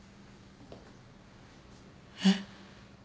えっ？